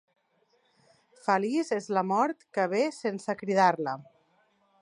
Feliç és la mort que ve sense cridar-la.